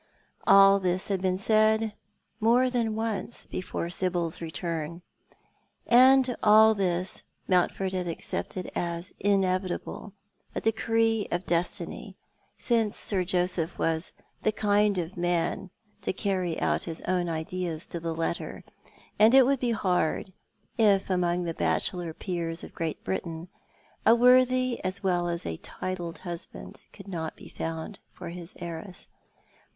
All this had been said more than once before Sibyl's return. Dreaming and Waking. 87 and all this Mountford had accepted as inevitable — a decree of destiny, since Sir Joseph was the kind of man to carry out his own ideas to the letter, and it would be hard if among the bachelor Peers of Great Britain a worthy as well as a titled husband could not be found for his heiress.